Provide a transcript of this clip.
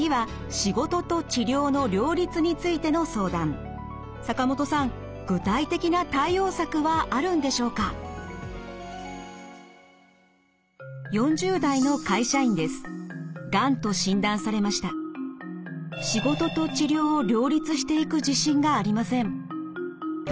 仕事と治療を両立していく自信がありません。